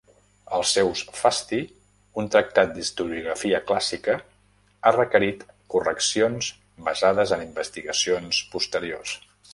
Els seus "Fasti", un tractat d'historiografia clàssica, ha requerit correccions basades en investigacions posteriors.